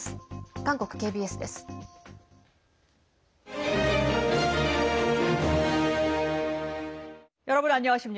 韓国ＫＢＳです。